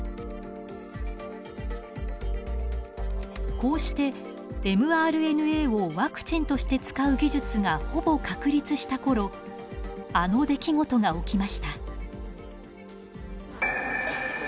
こうしてｍＲＮＡをワクチンとして使う技術がほぼ確立したころあの出来事が起きました。